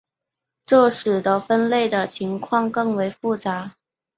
这使得分类的情况更为复杂。